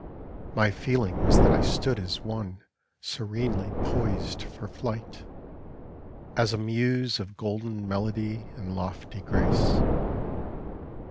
My feeling was that I stood as one Serenely poised for flight, as a muse Of golden melody and lofty grace.